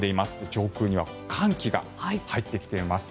上空には寒気が入ってきています。